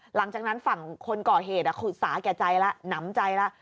หลังจากนั้นฝั่งคนก่อเหตุขุดสาแก่ใจแล้วหนำใจแล้ว